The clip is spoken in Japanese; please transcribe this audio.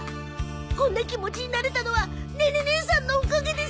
こんな気持ちになれたのはネネ姉さんのおかげです。